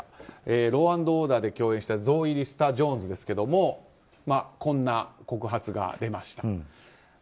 「ＬＡＷ＆ＯＲＤＥＲ」で共演したゾーイ・リスター＝ジョーンズですがこんな告発が出ました。